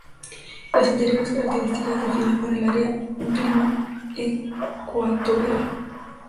Las anteriores características definen para el área un clima ecuatorial.